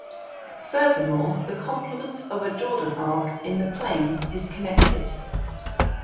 Furthermore, the complement of a Jordan arc in the plane is connected.